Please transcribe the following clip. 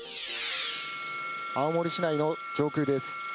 青森市内の上空です。